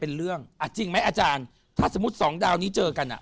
เป็นเรื่องอ่ะจริงไหมอาจารย์ถ้าสมมุติสองดาวนี้เจอกันอ่ะ